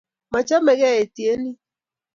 Mo chamegei etiet nien